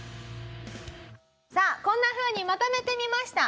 さあこんな風にまとめてみました。